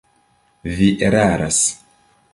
Vi eraras.